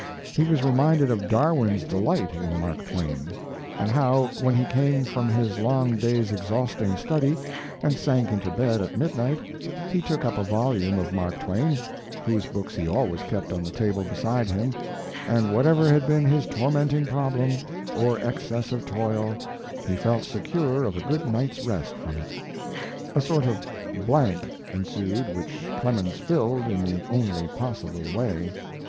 He was reminded of Darwin's delight in Mark Twain, and how when he came from his long day's exhausting study, and sank into bed at midnight, he took up a volume of Mark Twain, whose books he always kept on a table beside him, and whatever had been his tormenting problem, or excess of toil, he felt secure of a good night's rest from it. A sort of blank ensued which Clemens filled in the only possible way.